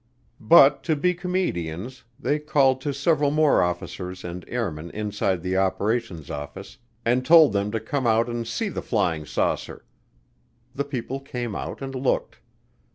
But, to be comedians, they called to several more officers and airmen inside the operations office and told them to come out and "see the flying saucer." The people came out and looked.